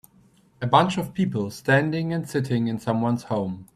A bunch of people standing and sitting in someones home.